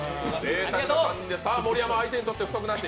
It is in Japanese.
盛山、相手にとって不足なし？